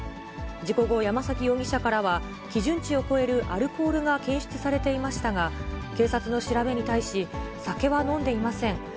事故後、山崎容疑者からは、基準値を超えるアルコールが検出されていましたが、警察の調べに対し、酒は飲んでいません。